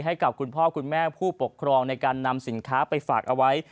ให้กับคุณพ่อคุณแม่ผู้ปกครองในการนำสินค้าไปฝากเอาไว้